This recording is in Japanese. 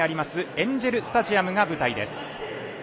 エンジェルスタジアムが舞台です。